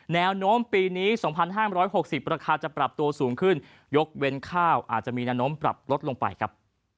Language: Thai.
แนวโน้มปีนี้สองพันห้างร้อยหกสิบราคาจะปรับตัวสูงขึ้นยกเว้นข้าวอาจจะมีน้ำน้ำปรับลดลงไปครับ